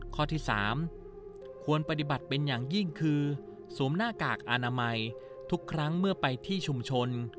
ข้อที่๓ควรปฏิบัติเป็นอย่างยิ่งคือสวมหน้ากากอนามัยทุกครั้งเมื่อไปที่ชุมชน